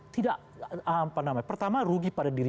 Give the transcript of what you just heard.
tidak apa namanya pertama rugi pada diri